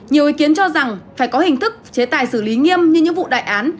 nhiều ý kiến cho rằng phải có hình thức chế tài xử lý nghiêm như những vụ đại án